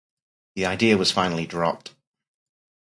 The idea was finally dropped.